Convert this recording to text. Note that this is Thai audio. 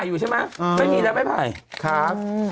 อ๋อขอบคุณด้วยนะครับ